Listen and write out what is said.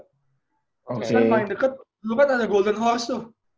terus kan paling deket dulu kan ada golden horse tuh